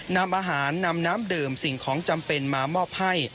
นำอาหารนำน้ำดื่มสิ่งของจำเป็นมามอบให้